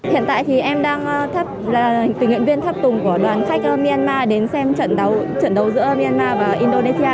hiện tại thì em đang tình nguyện viên tháp tùng của đoàn khách myanmar đến xem trận đấu giữa myanmar và indonesia